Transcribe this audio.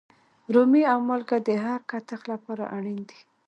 رومي او مالگه د هر کتغ لپاره اړین دي.